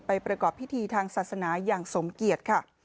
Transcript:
ประกอบพิธีทางศาสนาอย่างสมเกียจค่ะ